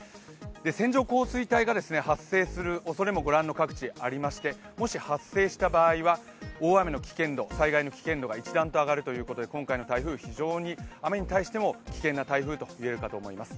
線状降水帯が発生するおそれもご覧の各地ありましてもし発生した場合は、大雨の危険度、災害の危険度が一段と上がるということで、今回の台風、非常に雨に対しても危険な台風と言えるかと思います。